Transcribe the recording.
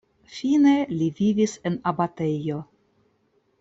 Fine li vivis en abatejo.